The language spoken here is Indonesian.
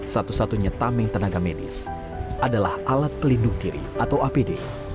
satu satunya tameng tenaga medis adalah alat pelindung kiri atau apd